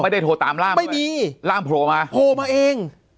ไม่ได้โทรตามล่ามไม่มีล่ามโผล่มาโผล่มาเอง